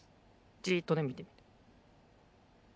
じっとねみてみて。